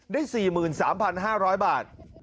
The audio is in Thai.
ได้๔๓๕๐๐บาท